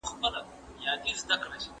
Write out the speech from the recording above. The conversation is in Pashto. ژوند چې انځور کړمه شاهکار به شي سعوده مګر